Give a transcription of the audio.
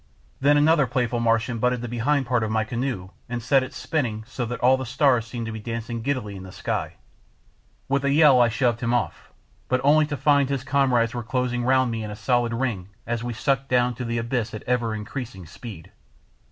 Then another playful Martian butted the behind part of my canoe and set it spinning, so that all the stars seemed to be dancing giddily in the sky. With a yell I shoved him off, but only to find his comrades were closing round me in a solid ring as we sucked down to the abyss at ever increasing speed.